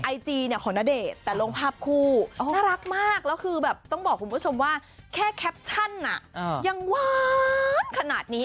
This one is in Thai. ไอจีเนี่ยของณเดชน์แต่ลงภาพคู่น่ารักมากแล้วคือแบบต้องบอกคุณผู้ชมว่าแค่แคปชั่นยังหวานขนาดนี้